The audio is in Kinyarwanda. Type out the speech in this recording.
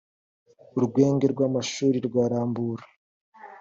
urwunge rw’amashuri rwa rambura